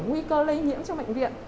nguy cơ lây nhiễm trong bệnh viện